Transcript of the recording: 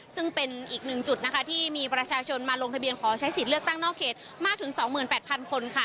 ซึ่งเป็นอีกหนึ่งจุดนะคะที่มีประชาชนมาลงทะเบียนขอใช้สิทธิ์เลือกตั้งนอกเขตมากถึง๒๘๐๐คนค่ะ